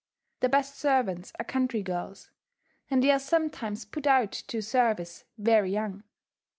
The best servants are country girls; and they are sometimes put out to service very young.